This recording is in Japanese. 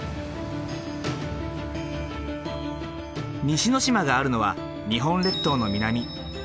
西之島があるのは日本列島の南。